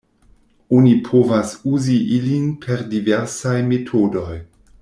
Oni povas uzi ilin per diversaj metodoj.